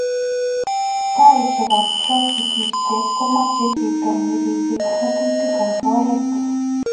Taishek ab trafikishek komache chito niripei ngatukik ab oret